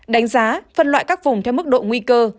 đánh giá phân loại các vùng theo mức độ nguy cơ